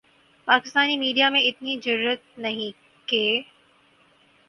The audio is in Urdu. پاکستانی میڈیا میں اتنی جرآت نہیں کہ